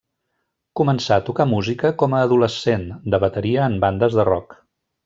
Començà a tocar música com a adolescent, de bateria en bandes de rock.